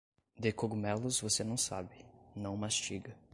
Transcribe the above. De cogumelos você não sabe, não mastiga.